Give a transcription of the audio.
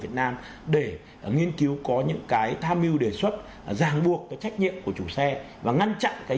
việt nam để nghiên cứu có những cái tham mưu đề xuất ràng buộc cái trách nhiệm của chủ xe và ngăn chặn cái